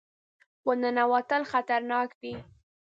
ور ننوتل خطرناک دي.